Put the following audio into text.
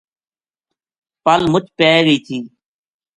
پل مُچ پے گئی تھی